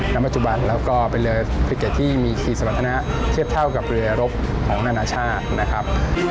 ณปัจจุบันแล้วก็เป็นเรือภูเก็ตที่มีคีย์สมรรถนะเทียบเท่ากับเรือรบของนานาชาตินะครับ